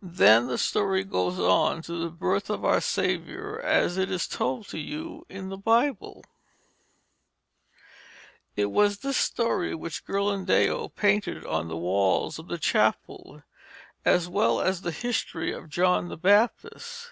Then the story goes on to the birth of our Saviour as it is told to you in the Bible. It was this story which Ghirlandaio painted on the walls of the chapel, as well as the history of John the Baptist.